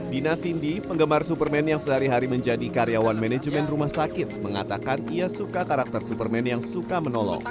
dina cindy penggemar superman yang sehari hari menjadi karyawan manajemen rumah sakit mengatakan ia suka karakter superman yang suka menolong